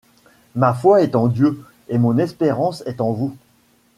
Ma foi est en Dieu et mon espérance est en vous.